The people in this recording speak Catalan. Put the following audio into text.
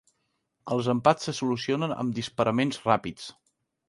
Els empats se solucionen amb disparaments ràpids.